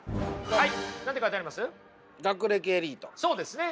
はい。